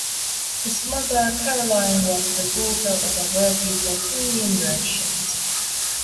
His mother, Caroline, was the daughter of a wealthy Bohemian merchant.